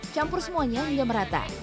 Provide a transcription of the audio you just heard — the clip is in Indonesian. campur semuanya hingga merata